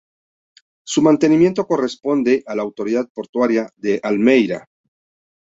Su mantenimiento corresponde a la Autoridad Portuaria de Almería.